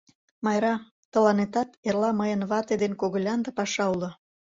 Майра, тыланетат эрла мыйын вате дене когылянда паша уло.